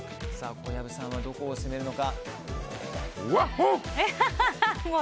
小籔さんはどこを攻めるのか。